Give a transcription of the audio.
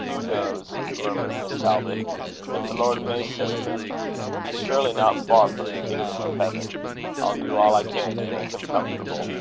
"Who knows," murmured Miss Talbot, "but the Lord may save him? He's surely not far from the kingdom of heaven. I'll do all I can to make him comfortable."